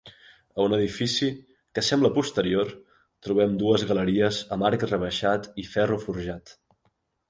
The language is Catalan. A un edifici, que sembla posterior, trobem dues galeries amb arc rebaixat i ferro forjat.